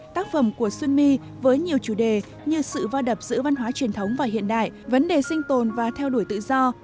tác phẩm của sunmy với nhiều chủ đề như sự va đập giữa văn hóa truyền thống và hiện đại vấn đề sinh tồn và theo đuổi tự do